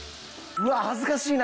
うわあ恥ずかしいな。